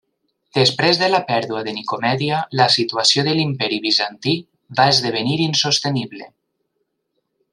Després de la pèrdua de Nicomèdia, la situació de l'Imperi Bizantí va esdevenir insostenible.